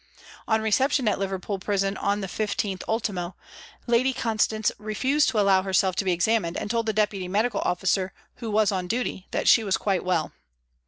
On reception at Liverpool Prison on the 15th ultimo, Lady Constance refused to allow herself to be examined and told the deputy medical officer, who was on duty, that she was quite well.